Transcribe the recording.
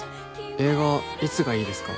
「映画いつがいいですか？」